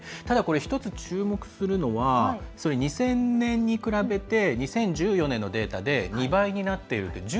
ただ、１つ注目するのは２０００年に比べて２０１４年のデータで２倍になっているって。